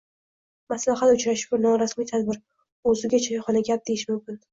Maslahat uchrashuvi norasmiy tadbir, oʻziga choyxona, gap deyish ham mumkin.